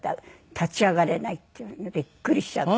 立ち上がれないって言うんでビックリしちゃって。